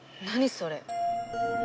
それ。